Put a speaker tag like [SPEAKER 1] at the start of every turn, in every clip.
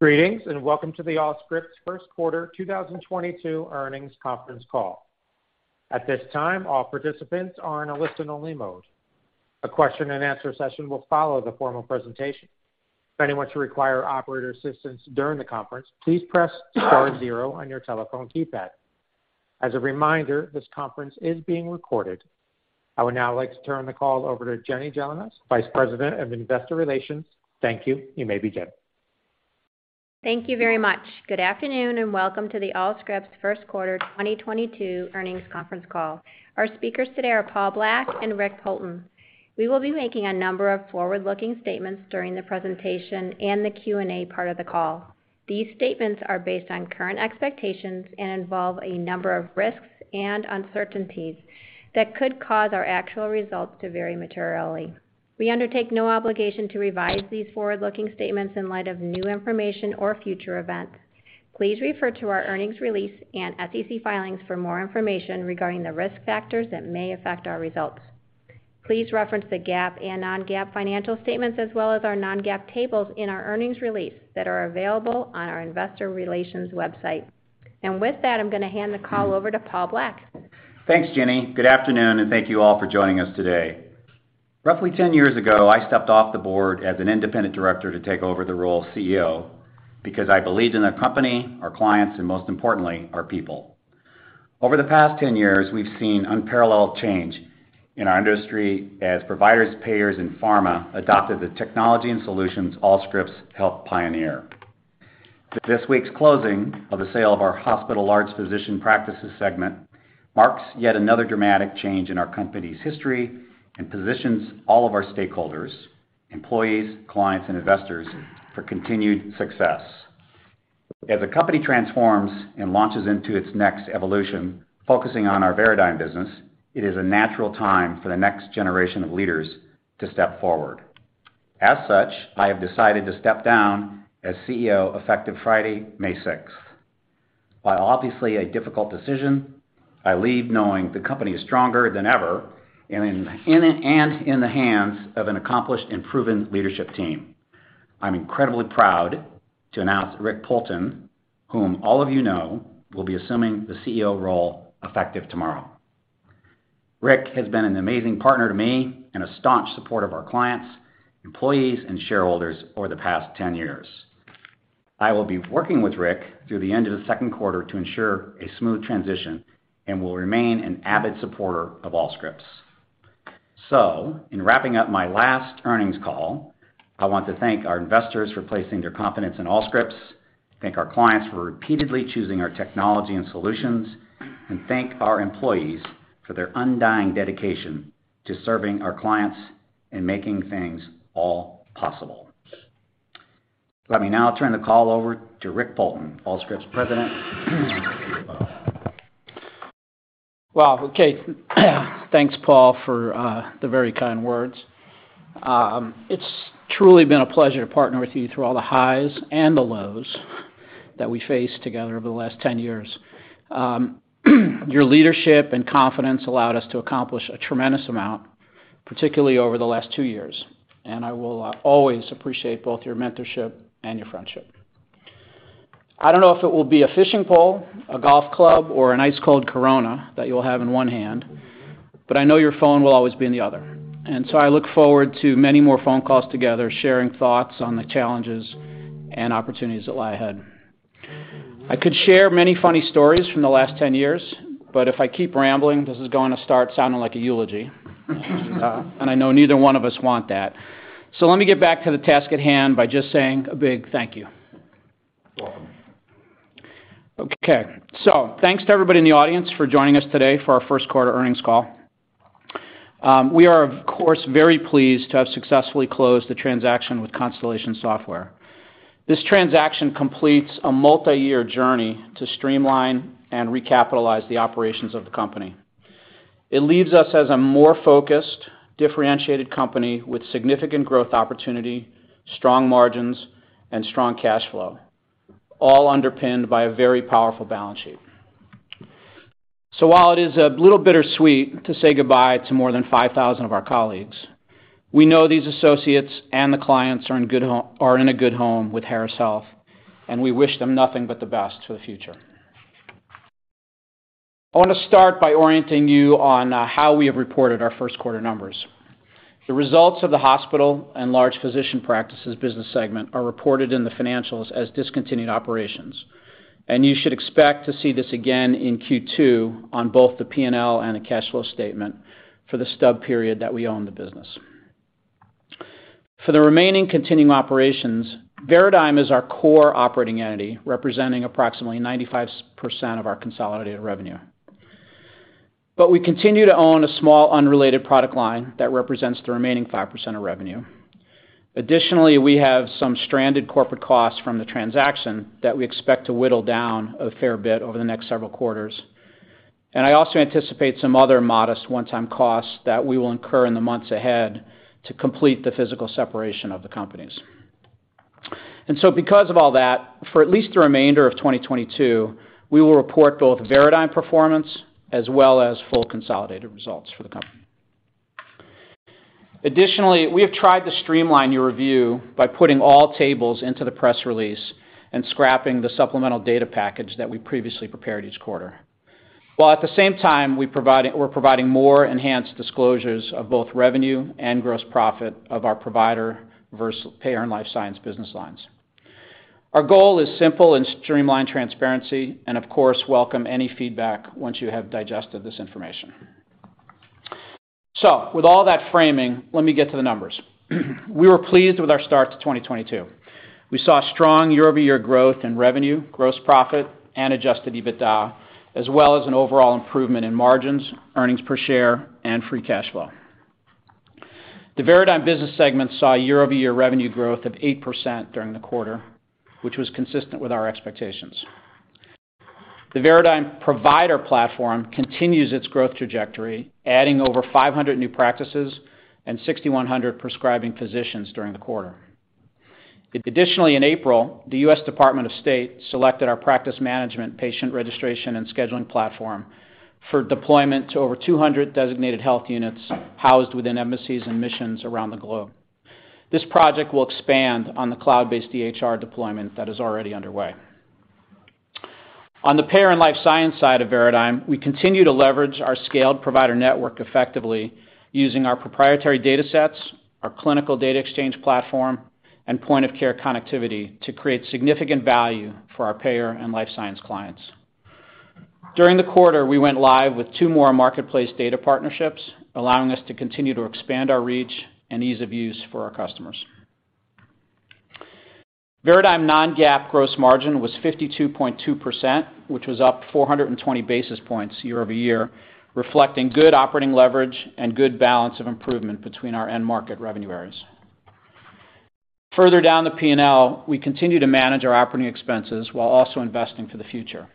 [SPEAKER 1] Greetings, and welcome to the Allscripts first quarter 2022 earnings conference call. At this time, all participants are in a listen only mode. A question and answer session will follow the formal presentation. If anyone should require operator assistance during the conference, please press star-zero on your telephone keypad. As a reminder, this conference is being recorded. I would now like to turn the call over to Jenny Gelinas, Vice President of Investor Relations. Thank you. You may begin.
[SPEAKER 2] Thank you very much. Good afternoon, and welcome to the Allscripts first quarter 2022 earnings conference call. Our speakers today are Paul Black and Rick Poulton. We will be making a number of forward-looking statements during the presentation and the Q&A part of the call. These statements are based on current expectations and involve a number of risks and uncertainties that could cause our actual results to vary materially. We undertake no obligation to revise these forward-looking statements in light of new information or future events. Please refer to our earnings release and SEC filings for more information regarding the risk factors that may affect our results. Please reference the GAAP and non-GAAP financial statements as well as our non-GAAP tables in our earnings release that are available on our investor relations website. With that, I'm gonna hand the call over to Paul Black.
[SPEAKER 3] Thanks, Jenny. Good afternoon, and thank you all for joining us today. Roughly 10 years ago, I stepped off the board as an independent director to take over the role of CEO because I believed in our company, our clients, and most importantly, our people. Over the past 10 years, we've seen unparalleled change in our industry as providers, payers, and pharma adopted the technology and solutions Allscripts helped pioneer. This week's closing of the sale of our hospital large physician practices segment marks yet another dramatic change in our company's history and positions all of our stakeholders, employees, clients, and investors for continued success. As the company transforms and launches into its next evolution, focusing on our Veradigm business, it is a natural time for the next generation of leaders to step forward. As such, I have decided to step down as CEO effective Friday, May 6th. While obviously a difficult decision, I leave knowing the company is stronger than ever and in the hands of an accomplished and proven leadership team. I'm incredibly proud to announce Rick Poulton, whom all of you know will be assuming the CEO role effective tomorrow. Rick has been an amazing partner to me and a staunch supporter of our clients, employees, and shareholders over the past 10 years. I will be working with Rick through the end of the second quarter to ensure a smooth transition and will remain an avid supporter of Veradigm. In wrapping up my last earnings call, I want to thank our investors for placing their confidence in Veradigm, thank our clients for repeatedly choosing our technology and solutions, and thank our employees for their undying dedication to serving our clients and making things all possible. Let me now turn the call over to Rick Poulton, Veradigm President and CEO.
[SPEAKER 4] Wow. Okay. Thanks, Paul, for the very kind words. It's truly been a pleasure to partner with you through all the highs and the lows that we faced together over the last 10 years. Your leadership and confidence allowed us to accomplish a tremendous amount, particularly over the last two years, and I will always appreciate both your mentorship and your friendship. I don't know if it will be a fishing pole, a golf club, or an ice-cold Corona that you'll have in one hand, but I know your phone will always be in the other. I look forward to many more phone calls together, sharing thoughts on the challenges and opportunities that lie ahead. I could share many funny stories from the last 10 years, but if I keep rambling, this is gonna start sounding like a eulogy. I know neither one of us want that. Let me get back to the task at hand by just saying a big thank you.
[SPEAKER 3] You're welcome.
[SPEAKER 4] Okay. Thanks to everybody in the audience for joining us today for our first quarter earnings call. We are, of course, very pleased to have successfully closed the transaction with Constellation Software. This transaction completes a multi-year journey to streamline and recapitalize the operations of the company. It leaves us as a more focused, differentiated company with significant growth opportunity, strong margins, and strong cash flow, all underpinned by a very powerful balance sheet. While it is a little bittersweet to say goodbye to more than 5,000 of our colleagues, we know these associates and the clients are in a good home with Harris Healthcare, and we wish them nothing but the best for the future. I wanna start by orienting you on how we have reported our first quarter numbers. The results of the hospital and large physician practices business segment are reported in the financials as discontinued operations, and you should expect to see this again in Q2 on both the P&L and the cash flow statement for the stub period that we own the business. For the remaining continuing operations, Veradigm is our core operating entity, representing approximately 95% of our consolidated revenue. We continue to own a small unrelated product line that represents the remaining 5% of revenue. Additionally, we have some stranded corporate costs from the transaction that we expect to whittle down a fair bit over the next several quarters. I also anticipate some other modest one-time costs that we will incur in the months ahead to complete the physical separation of the companies. Because of all that, for at least the remainder of 2022, we will report both Veradigm performance as well as full consolidated results for the company. Additionally, we have tried to streamline your review by putting all tables into the press release and scrapping the supplemental data package that we previously prepared each quarter. While at the same time, we're providing more enhanced disclosures of both revenue and gross profit of our provider versus payer and life science business lines. Our goal is simple and streamlined transparency and of course, welcome any feedback once you have digested this information. With all that framing, let me get to the numbers. We were pleased with our start to 2022. We saw strong year-over-year growth in revenue, gross profit, and adjusted EBITDA, as well as an overall improvement in margins, earnings per share, and free cash flow. The Veradigm business segment saw a year-over-year revenue growth of 8% during the quarter, which was consistent with our expectations. The Veradigm provider platform continues its growth trajectory, adding over 500 new practices and 6,100 prescribing physicians during the quarter. Additionally, in April, the US Department of State selected our practice management patient registration and scheduling platform for deployment to over 200 designated health units housed within embassies and missions around the globe. This project will expand on the cloud-based EHR deployment that is already underway. On the payer and life science side of Veradigm, we continue to leverage our scaled provider network effectively using our proprietary datasets, our clinical data exchange platform, and point of care connectivity to create significant value for our payer and life science clients. During the quarter, we went live with two more marketplace data partnerships, allowing us to continue to expand our reach and ease of use for our customers. Veradigm non-GAAP gross margin was 52.2%, which was up 420 basis points year-over-year, reflecting good operating leverage and good balance of improvement between our end market revenue areas. Further down the P&L, we continue to manage our operating expenses while also investing for the future.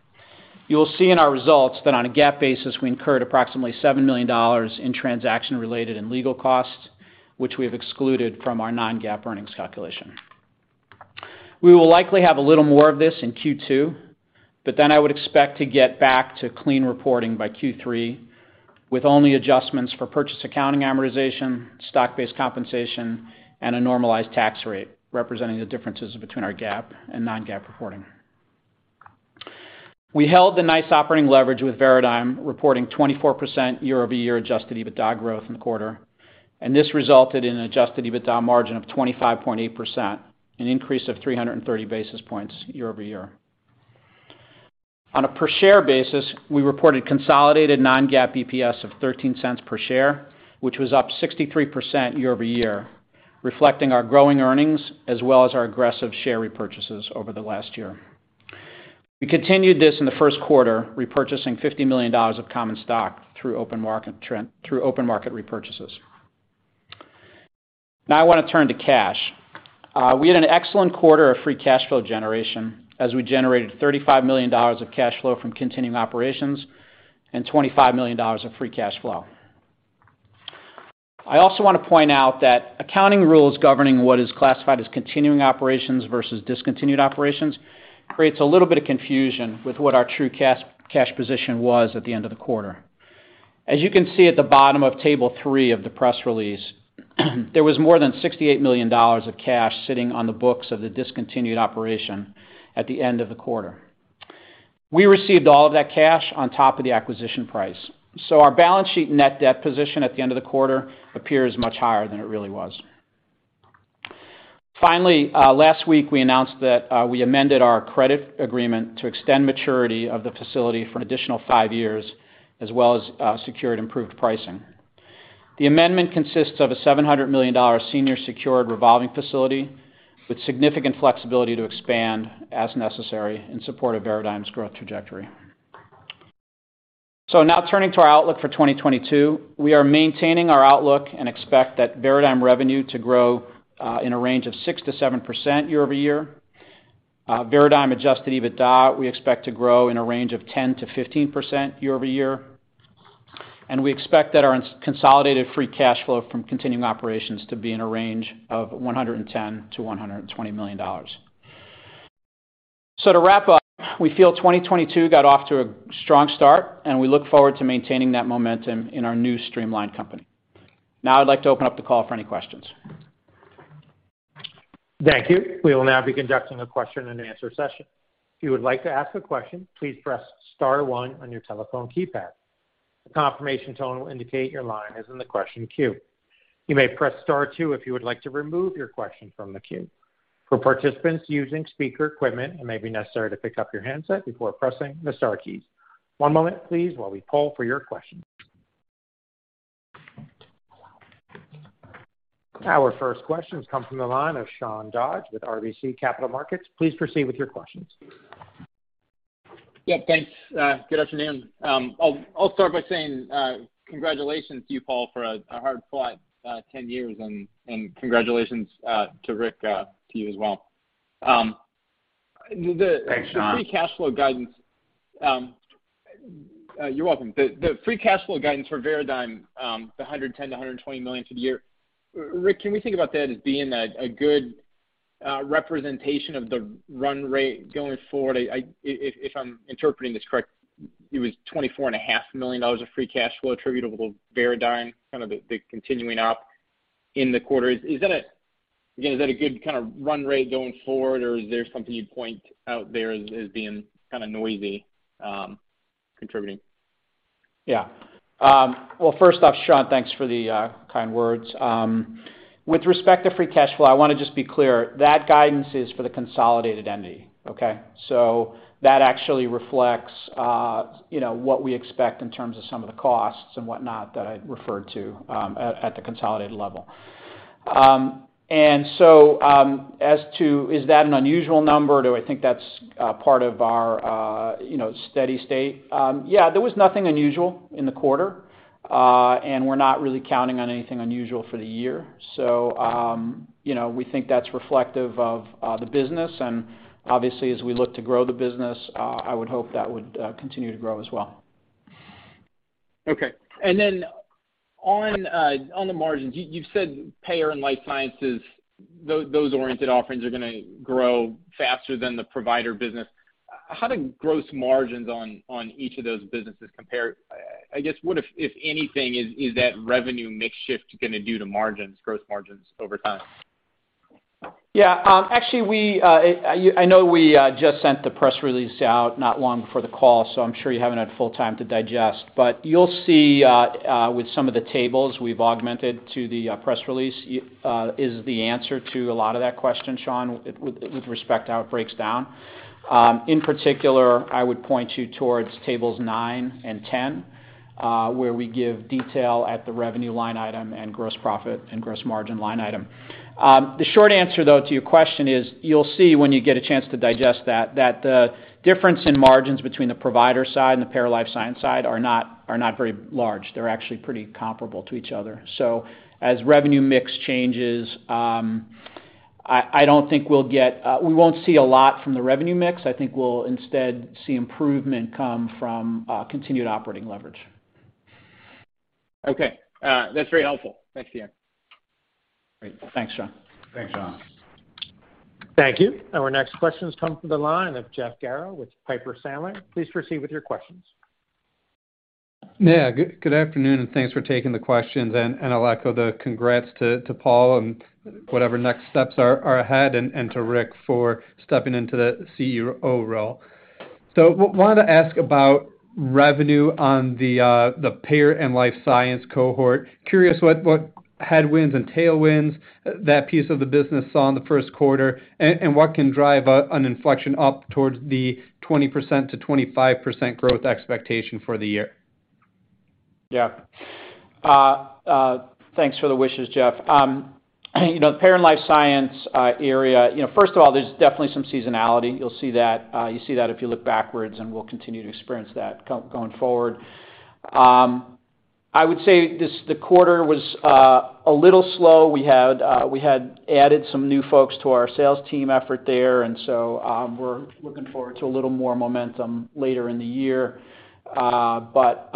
[SPEAKER 4] You'll see in our results that on a GAAP basis, we incurred approximately $7 million in transaction-related and legal costs, which we have excluded from our non-GAAP earnings calculation. We will likely have a little more of this in Q2, but then I would expect to get back to clean reporting by Q3, with only adjustments for purchase accounting amortization, stock-based compensation, and a normalized tax rate representing the differences between our GAAP and non-GAAP reporting. We held the nice operating leverage with Veradigm, reporting 24% year-over-year adjusted EBITDA growth in the quarter, and this resulted in adjusted EBITDA margin of 25.8%, an increase of 330 basis points year-over-year. On a per share basis, we reported consolidated non-GAAP EPS of $0.13 per share, which was up 63% year-over-year, reflecting our growing earnings as well as our aggressive share repurchases over the last year. We continued this in the first quarter, repurchasing $50 million of common stock through open market repurchases. Now I wanna turn to cash. We had an excellent quarter of free cash flow generation as we generated $35 million of cash flow from continuing operations and $25 million of free cash flow. I also wanna point out that accounting rules governing what is classified as continuing operations versus discontinued operations creates a little bit of confusion with what our true cash position was at the end of the quarter. As you can see at the bottom of table three of the press release, there was more than $68 million of cash sitting on the books of the discontinued operation at the end of the quarter. We received all of that cash on top of the acquisition price. Our balance sheet net debt position at the end of the quarter appears much higher than it really was. Finally, last week, we announced that we amended our credit agreement to extend maturity of the facility for an additional five years as well as secured improved pricing. The amendment consists of a $700 million senior secured revolving facility with significant flexibility to expand as necessary in support of Veradigm's growth trajectory. Now turning to our outlook for 2022. We are maintaining our outlook and expect that Veradigm revenue to grow in a range of 6%-7% year-over-year. Veradigm adjusted EBITDA, we expect to grow in a range of 10%-15% year-over-year. We expect that our consolidated free cash flow from continuing operations to be in a range of $110 million-$120 million. To wrap up, we feel 2022 got off to a strong start, and we look forward to maintaining that momentum in our new streamlined company. Now I'd like to open up the call for any questions.
[SPEAKER 1] Thank you. We will now be conducting a question and answer session. If you would like to ask a question, please press star one on your telephone keypad. A confirmation tone will indicate your line is in the question queue. You may press star two if you would like to remove your question from the queue. For participants using speaker equipment, it may be necessary to pick up your handset before pressing the star keys. One moment please while we poll for your questions. Our first question comes from the line of Sean Dodge with RBC Capital Markets. Please proceed with your questions.
[SPEAKER 5] Yeah, thanks. Good afternoon. I'll start by saying congratulations to you, Paul, for a hard fought 10 years, and congratulations to Rick, to you as well.
[SPEAKER 3] Thanks, Sean.
[SPEAKER 6] The free cash flow guidance. You're welcome. The free cash flow guidance for Veradigm, the $110 million-$120 million for the year. Rick, can we think about that as being a good representation of the run rate going forward, if I'm interpreting this correct, it was $24.5 million of free cash flow attributable to Veradigm, kind of the continuing op in the quarter. Is that a good kind of run rate going forward, or is there something you'd point out there as being kind of noisy, contributing?
[SPEAKER 4] Yeah. Well, first off, Sean, thanks for the kind words. With respect to free cash flow, I wanna just be clear, that guidance is for the consolidated entity, okay? That actually reflects, you know, what we expect in terms of some of the costs and whatnot that I referred to at the consolidated level. As to, is that an unusual number? Do I think that's part of our, you know, steady state? Yeah, there was nothing unusual in the quarter, and we're not really counting on anything unusual for the year. You know, we think that's reflective of the business, and obviously, as we look to grow the business, I would hope that would continue to grow as well.
[SPEAKER 5] Okay. On the margins, you've said payer and life sciences, those oriented offerings are gonna grow faster than the provider business. How do gross margins on each of those businesses compare? I guess, what if anything is that revenue mix shift gonna do to margins, growth margins over time?
[SPEAKER 4] Yeah. Actually, I know we just sent the press release out not long before the call, so I'm sure you haven't had full time to digest. You'll see, with some of the tables we've augmented to the press release is the answer to a lot of that question, Sean, with respect to how it breaks down. In particular, I would point you towards tables nine and 10, where we give detail at the revenue line item and gross profit and gross margin line item. The short answer, though, to your question is, you'll see when you get a chance to digest that the difference in margins between the provider side and the payer life science side are not very large. They're actually pretty comparable to each other. As revenue mix changes, we won't see a lot from the revenue mix. I think we'll instead see improvement come from continued operating leverage.
[SPEAKER 5] Okay. That's very helpful. Thanks, Rick Poulton.
[SPEAKER 4] Great. Thanks, Sean.
[SPEAKER 3] Thanks, Sean.
[SPEAKER 1] Thank you. Our next question comes from the line of Jeff Garro with Piper Sandler. Please proceed with your questions.
[SPEAKER 7] Yeah, good afternoon, and thanks for taking the questions. I'll echo the congrats to Paul and whatever next steps are ahead, and to Rick for stepping into the CEO role. Wanted to ask about revenue on the payer and life science cohort. Curious what headwinds and tailwinds that piece of the business saw in the first quarter, and what can drive an inflection up towards the 20%-25% growth expectation for the year.
[SPEAKER 4] Yeah. Thanks for the wishes, Jeff. You know, the payer and life science area, you know, first of all, there's definitely some seasonality. You'll see that, you see that if you look backwards, and we'll continue to experience that going forward. I would say this, the quarter was a little slow. We had added some new folks to our sales team effort there. We're looking forward to a little more momentum later in the year. But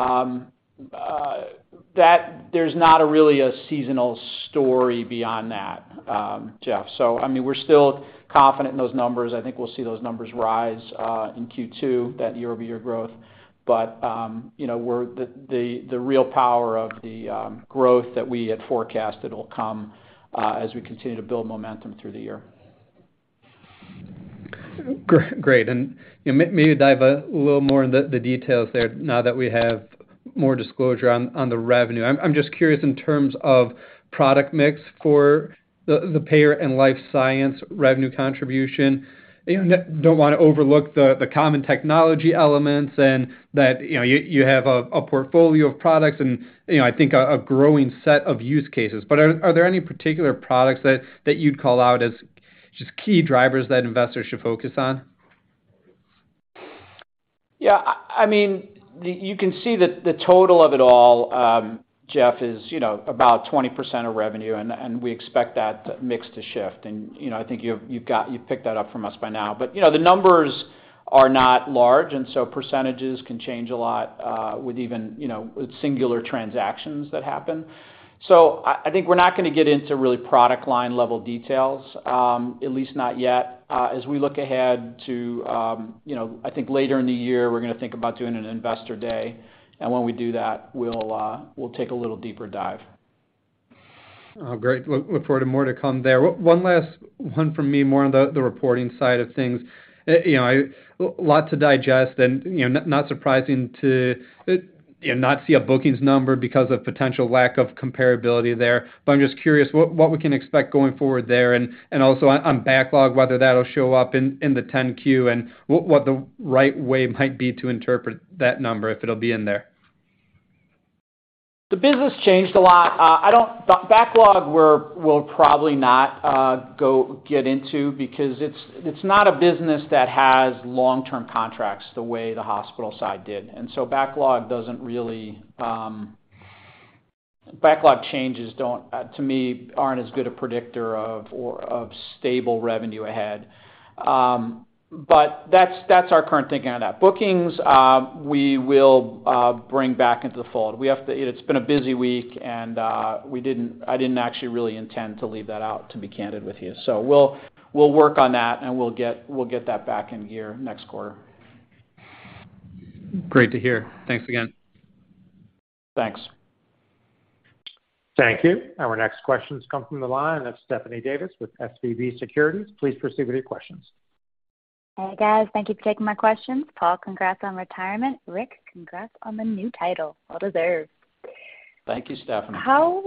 [SPEAKER 4] that. There's not really a seasonal story beyond that, Jeff. So I mean, we're still confident in those numbers. I think we'll see those numbers rise in Q2, that year-over-year growth. But you know, we're... The real power of the growth that we had forecasted will come as we continue to build momentum through the year.
[SPEAKER 7] Great. Maybe dive a little more into the details there now that we have more disclosure on the revenue. I'm just curious in terms of product mix for the payer and life science revenue contribution. You know, don't wanna overlook the common technology elements and that, you know, you have a portfolio of products and, you know, I think a growing set of use cases. But are there any particular products that you'd call out as just key drivers that investors should focus on?
[SPEAKER 4] Yeah. I mean, you can see the total of it all, Jeff, is, you know, about 20% of revenue, and we expect that mix to shift. You know, I think you've picked that up from us by now. You know, the numbers are not large, and so percentages can change a lot with even, you know, with singular transactions that happen. I think we're not gonna get into really product line level details at least not yet. As we look ahead to, you know, I think later in the year, we're gonna think about doing an investor day. When we do that, we'll take a little deeper dive.
[SPEAKER 7] Oh, great. Look forward to more to come there. One last one from me, more on the reporting side of things. You know, lot to digest and, you know, not surprising to, you know, not see a bookings number because of potential lack of comparability there. I'm just curious what we can expect going forward there and also on backlog, whether that'll show up in the 10-Q and what the right way might be to interpret that number, if it'll be in there.
[SPEAKER 4] The business changed a lot. Backlog, we'll probably not go get into because it's not a business that has long-term contracts the way the hospital side did. Backlog changes don't, to me, aren't as good a predictor of stable revenue ahead. That's our current thinking on that. Bookings, we will bring back into the fold. It has been a busy week, and I didn't actually really intend to leave that out, to be candid with you. We'll work on that, and we'll get that back in gear next quarter.
[SPEAKER 7] Great to hear. Thanks again.
[SPEAKER 4] Thanks.
[SPEAKER 1] Thank you. Our next question comes from the line of Stephanie Davis with SVB Securities. Please proceed with your questions.
[SPEAKER 8] Hey, guys. Thank you for taking my questions. Paul, congrats on retirement. Rick, congrats on the new title. Well deserved.
[SPEAKER 4] Thank you, Stephanie.
[SPEAKER 8] How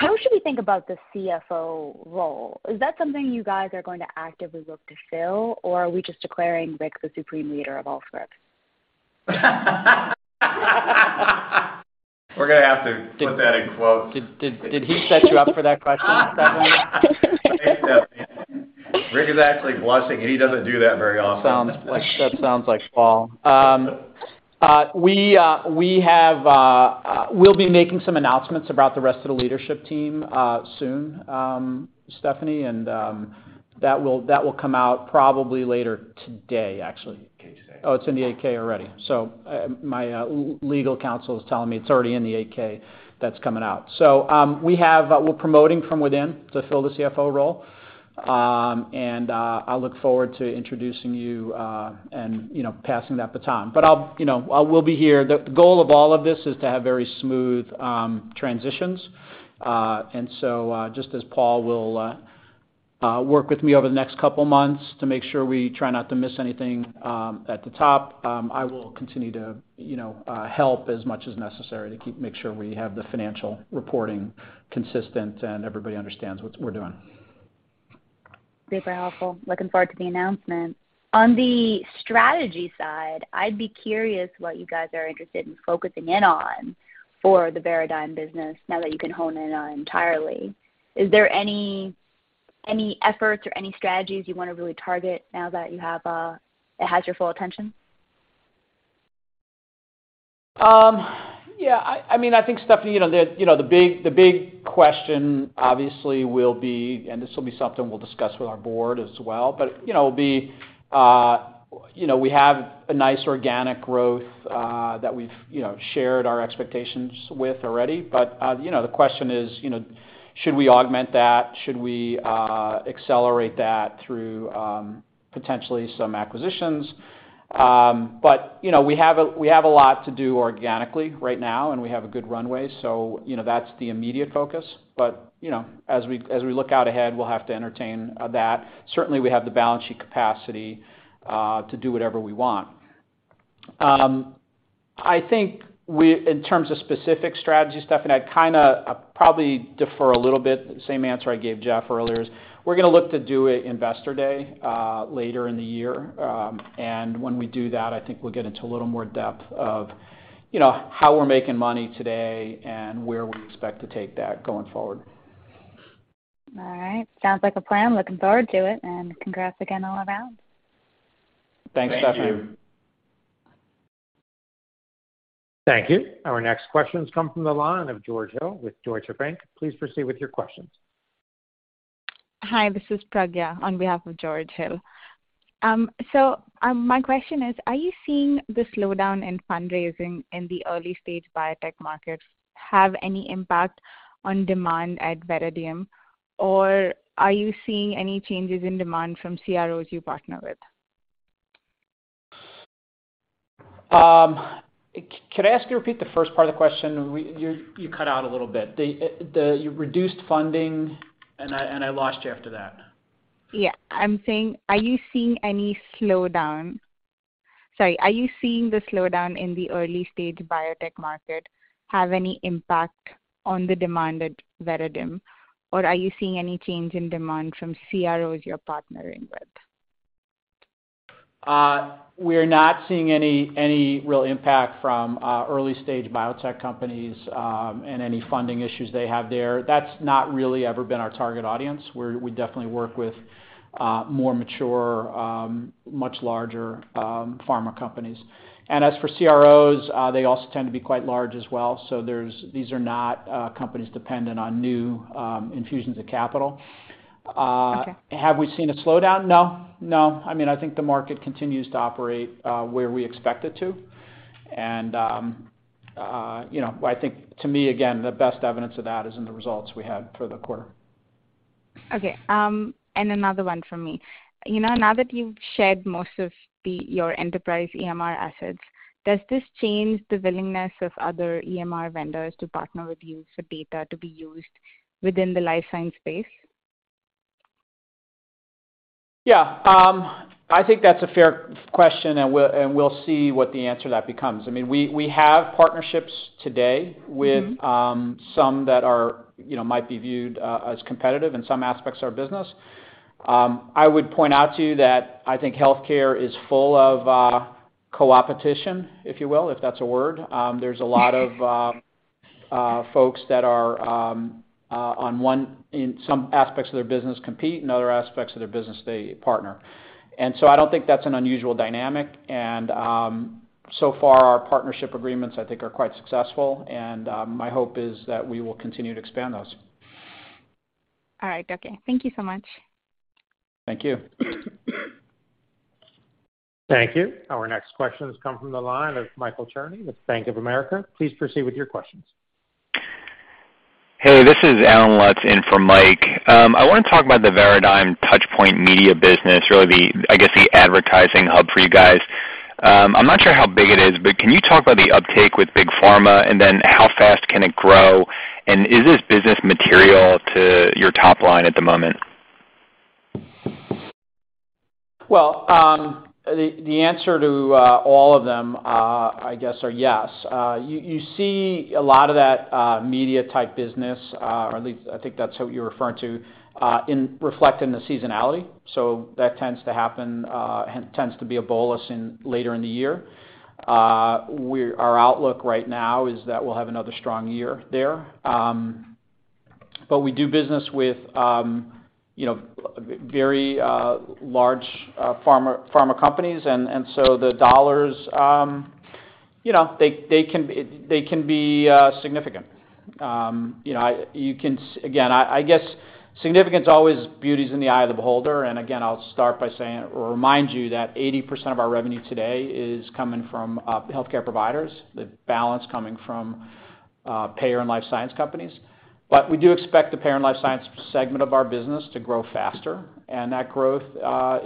[SPEAKER 8] should we think about the CFO role? Is that something you guys are going to actively look to fill, or are we just declaring Rick the supreme leader of Veradigm?
[SPEAKER 3] We're gonna have to put that in quotes. Did he set you up for that question, Stephanie? Thanks, Stephanie. Rick is actually blushing, and he doesn't do that very often.
[SPEAKER 4] That sounds like Paul. We'll be making some announcements about the rest of the leadership team, soon, Stephanie. That will come out probably later today, actually. It's in the 8-K. Oh, it's in the 8-K already. My legal counsel is telling me it's already in the 8-K that's coming out. We're promoting from within to fill the CFO role. I look forward to introducing you and, you know, passing the baton. But I'll, you know, I will be here. The goal of all of this is to have very smooth transitions. Just as Paul will work with me over the next couple months to make sure we try not to miss anything at the top, I will continue to, you know, help as much as necessary to make sure we have the financial reporting consistent and everybody understands what we're doing.
[SPEAKER 8] Super helpful. Looking forward to the announcement. On the strategy side, I'd be curious what you guys are interested in focusing in on for the Veradigm business now that you can hone in on entirely. Is there any efforts or any strategies you wanna really target now that it has your full attention?
[SPEAKER 4] Yeah. I mean, I think, Stephanie, you know, the big question obviously will be, and this will be something we'll discuss with our board as well. You know, we have a nice organic growth that we've, you know, shared our expectations with already. You know, the question is, you know, should we augment that? Should we accelerate that through potentially some acquisitions? You know, we have a lot to do organically right now, and we have a good runway, so you know, that's the immediate focus. You know, as we look out ahead, we'll have to entertain that. Certainly, we have the balance sheet capacity to do whatever we want. I think in terms of specific strategy stuff, and I kinda, probably defer a little bit. Same answer I gave Jeff earlier is, we're gonna look to do a Investor Day, later in the year. When we do that, I think we'll get into a little more depth of, you know, how we're making money today and where we expect to take that going forward.
[SPEAKER 8] All right. Sounds like a plan. Looking forward to it, and congrats again, all around.
[SPEAKER 4] Thanks, Stephanie. Thank you.
[SPEAKER 1] Thank you. Our next question comes from the line of George Hill with Deutsche Bank. Please proceed with your questions.
[SPEAKER 9] Hi, this is Pragya on behalf of George Hill. My question is, are you seeing the slowdown in fundraising in the early-stage biotech market have any impact on demand at Veradigm, or are you seeing any changes in demand from CROs you partner with?
[SPEAKER 4] Can I ask you to repeat the first part of the question? You cut out a little bit. You reduced funding, and I lost you after that.
[SPEAKER 9] Are you seeing the slowdown in the early-stage biotech market have any impact on the demand at Veradigm, or are you seeing any change in demand from CROs you're partnering with?
[SPEAKER 4] We're not seeing any real impact from early-stage biotech companies and any funding issues they have there. That's not really ever been our target audience. We definitely work with more mature, much larger pharma companies. As for CROs, they also tend to be quite large as well, so these are not companies dependent on new infusions of capital.
[SPEAKER 9] Okay.
[SPEAKER 4] Have we seen a slowdown? No. I mean, I think the market continues to operate, where we expect it to. You know, I think to me, again, the best evidence of that is in the results we had for the quarter.
[SPEAKER 9] Okay. Another one from me. You know, now that you've shed most of your enterprise EMR assets, does this change the willingness of other EMR vendors to partner with you for data to be used within the life science space?
[SPEAKER 4] Yeah. I think that's a fair question, and we'll see what the answer to that becomes. I mean, we have partnerships today with
[SPEAKER 9] Mm-hmm.
[SPEAKER 4] Some that are, you know, might be viewed as competitive in some aspects of our business. I would point out to you that I think healthcare is full of coopetition, if you will, if that's a word. There's a lot of folks that are in some aspects of their business compete, in other aspects of their business, they partner. I don't think that's an unusual dynamic. So far our partnership agreements I think are quite successful, and my hope is that we will continue to expand those.
[SPEAKER 9] All right. Okay. Thank you so much.
[SPEAKER 4] Thank you.
[SPEAKER 1] Thank you. Our next question has come from the line of Michael Cherny with Bank of America. Please proceed with your questions.
[SPEAKER 10] Hey, this is Allen Lutz in for Mike. I wanna talk about the Veradigm TouchPoint Media business, really, I guess, the advertising hub for you guys. I'm not sure how big it is, but can you talk about the uptake with big pharma, and then how fast can it grow, and is this business material to your top line at the moment?
[SPEAKER 4] Well, the answer to all of them, I guess, are yes. You see a lot of that media type business, or at least I think that's what you're referring to, reflected in the seasonality. That tends to happen, tends to be a bolus later in the year. Our outlook right now is that we'll have another strong year there. We do business with, you know, very large pharma companies. So the US dollars, you know, they can be significant. You know, you can. Again, I guess significance always beauty is in the eye of the beholder. I'll start by saying or remind you that 80% of our revenue today is coming from healthcare providers, the balance coming from payer and life science companies. We do expect the payer and life science segment of our business to grow faster, and that growth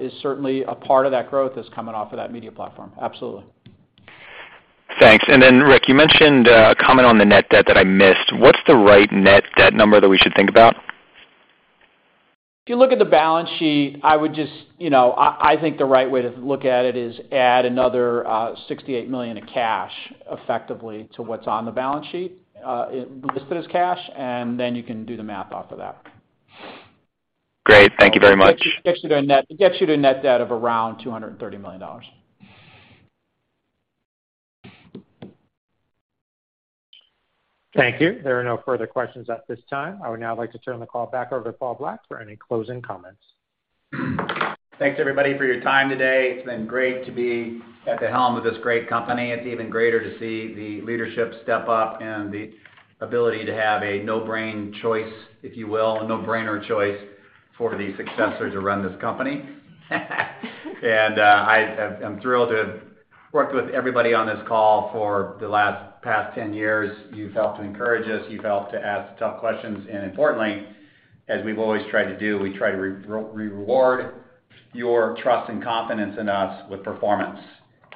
[SPEAKER 4] is certainly a part of that growth is coming off of that media platform. Absolutely.
[SPEAKER 10] Thanks. Rick, you mentioned a comment on the net debt that I missed. What's the right net debt number that we should think about?
[SPEAKER 4] If you look at the balance sheet, I would just, you know, I think the right way to look at it is add another $68 million in cash effectively to what's on the balance sheet, listed as cash, and then you can do the math off of that.
[SPEAKER 10] Great. Thank you very much.
[SPEAKER 4] Gets you to net, it gets you to net debt of around $230 million.
[SPEAKER 1] Thank you. There are no further questions at this time. I would now like to turn the call back over to Paul Black for any closing comments.
[SPEAKER 3] Thanks everybody for your time today. It's been great to be at the helm of this great company. It's even greater to see the leadership step up and the ability to have a no-brain choice, if you will, a no-brainer choice for the successors to run this company. I'm thrilled to have worked with everybody on this call for the past 10 years. You've helped to encourage us, you've helped to ask tough questions, and importantly, as we've always tried to do, we try to reward your trust and confidence in us with performance.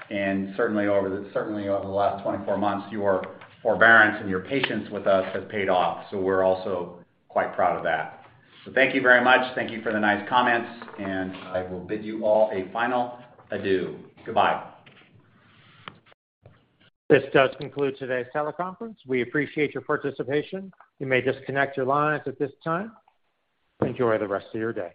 [SPEAKER 3] Certainly over the last 24 months, your forbearance and your patience with us has paid off. We're also quite proud of that. Thank you very much. Thank you for the nice comments, and I will bid you all a final adieu. Goodbye.
[SPEAKER 1] This does conclude today's teleconference. We appreciate your participation. You may disconnect your lines at this time. Enjoy the rest of your day.